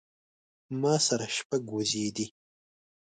ما سره شپږ وزې دي